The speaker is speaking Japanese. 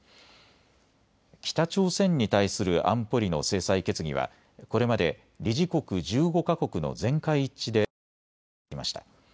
北朝鮮に対する安保理の制裁決議は、これまで理事国１５か国の全会一致で採択されてきました。